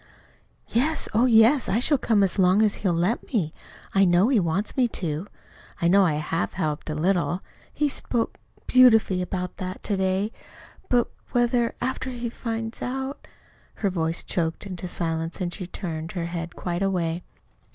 "Yes, oh, yes. I shall come as long as he'll let me. I know he wants me to. I know I HAVE helped a little. He spoke beautifully about that to day. But, whether, after he finds out " Her voice choked into silence and she turned her head quite away.